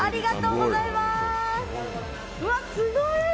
うわ、すごい！